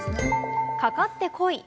かかってこい！